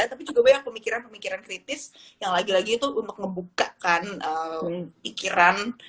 tapi juga banyak pemikiran pemikiran kritis yang lagi lagi itu untuk membuka kan pikiran